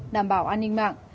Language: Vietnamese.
đảm bảo an ninh mạng